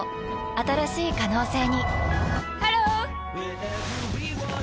新しい可能性にハロー！